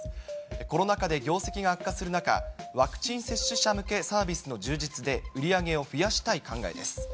コロナ禍で業績が悪化する中、ワクチン接種者向けサービスの充実で売り上げを増やしたい考えです。